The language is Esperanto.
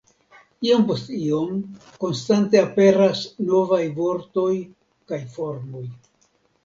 Iom post iom konstante aperas novaj vortoj kaj formoj.